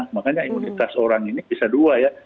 makanya imunitas orang ini bisa dua ya